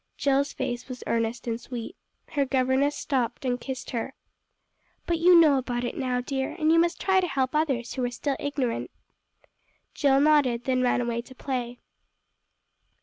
Jill's face was earnest and sweet. Her governess stooped and kissed her. "But you know about it now, dear, and you must try to help others who are still ignorant." Jill nodded, then ran away to play.